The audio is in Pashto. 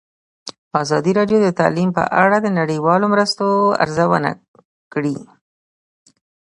ازادي راډیو د تعلیم په اړه د نړیوالو مرستو ارزونه کړې.